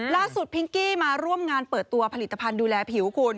พิงกี้มาร่วมงานเปิดตัวผลิตภัณฑ์ดูแลผิวคุณ